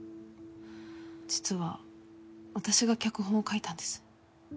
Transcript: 実は私が脚本を書いたんです。